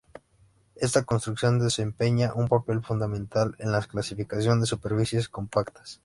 Esta construcción desempeña un papel fundamental en la clasificación de superficies compactas.